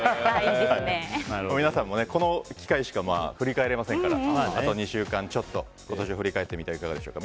皆さんも、この機会しか振り返られませんからあと２週間ちょっと今年振り返ってみてはいかがでしょうか。